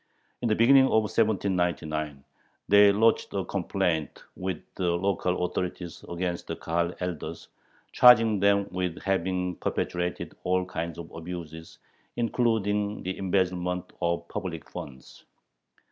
In the beginning of 1799 they lodged a complaint with the local authorities against the Kahal elders, charging them with having perpetrated all kinds of abuses, including the embezzlement of public funds.